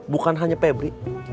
bukan hanya pebri